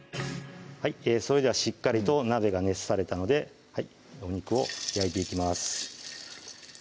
それではしっかりと鍋が熱されたのでお肉を焼いていきます